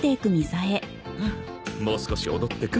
もう少し踊ってく？